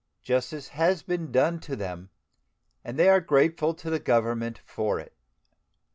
Justice has been done to them, and they are grateful to the Government for it.